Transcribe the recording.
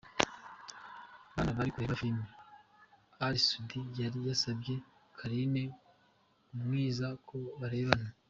bana bari kureba filime, Ally Soudi yari yasabye Carine Umwiza ko barebana